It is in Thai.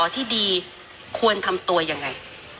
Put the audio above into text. พลิ้งรองรัว